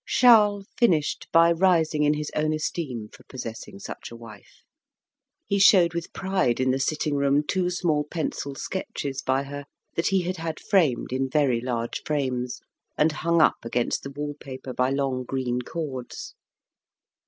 Charles finished by rising in his own esteem for possessing such a wife. He showed with pride in the sitting room two small pencil sketches by her that he had had framed in very large frames, and hung up against the wallpaper by long green cords.